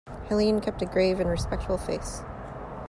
Helene kept a grave and respectful face.